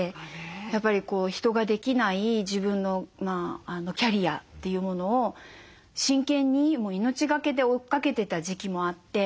やっぱり人ができない自分のキャリアというものを真剣に命がけで追っかけてた時期もあって。